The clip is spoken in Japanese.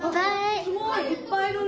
すごい！いっぱいいるね。